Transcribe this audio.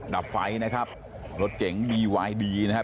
ดับไฟนะครับรถเก๋งวีวายดีนะครับ